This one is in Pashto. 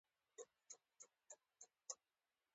چریکي جبهې له اقتصادي سرچینو څخه ګټه پورته کوله.